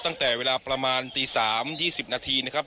ตั้งแต่เวลาประมาณตี๓๒๐นาทีนะครับ